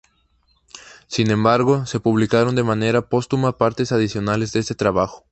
Sin embargo, se publicaron de manera póstuma partes adicionales de este trabajo.